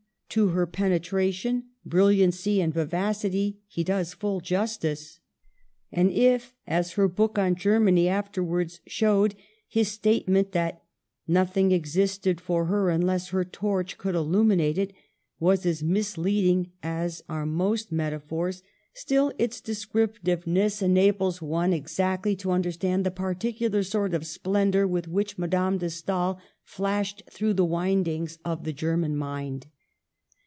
To her penetration, bril liancy and vivacity, he does full justice. And if, as her book on Germany afterwards showed, his statement that " nothing existed for her unless her ) torch could illuminate it," was as misleading as are most metaphors, still its descriptiveness ena Digitized by VjOOQLC VISITS GERMANY. 1 33 bles one exactly to understand the particular sort of splendor with which Madame de Stael flashed through the windings of the German mind.